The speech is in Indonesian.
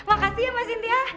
makasih ya mbak sintia